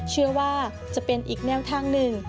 เชื่อว่าจะเป็นอีกแนวทางหนึ่ง